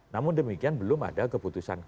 namun demikian belum ada keputusan